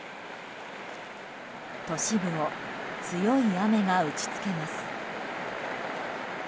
都市部を強い雨が打ち付けます。